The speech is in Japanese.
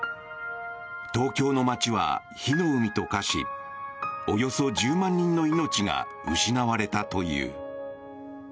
東京の街は火の海と化しおよそ１０万人の命が失われたという。